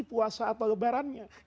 puasa atau lebarannya